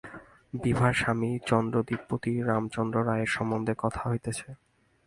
বিভার স্বামী চন্দ্রদ্বীপপতি রামচন্দ্র রায়ের সম্বন্ধে কথা হইতেছে।